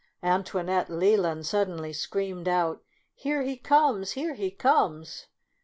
Antoinette Leland suddenly scream ed out, " Here he comes, here he comes